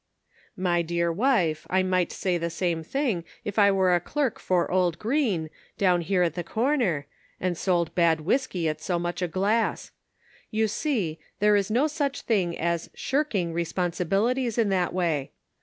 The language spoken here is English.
" My dear wife, I might say the same thing if I were a clerk for old Green, down here at the corner, and sold bad whiskey at so much a glass. You see, there is no such thing as shirking responsibilities in that way.